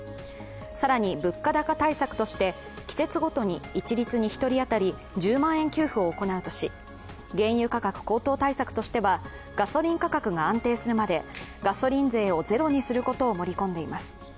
更に、物価高対策として、季節ごとに１人当たり一律に１０万円給付を行うとし、原油価格高騰対策としてはガソリン価格が安定するまでガソリン税をゼロにすることを盛り込んでいます。